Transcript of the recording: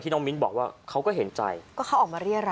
น้องมิ้นบอกว่าเขาก็เห็นใจก็เขาออกมาเรียกอะไร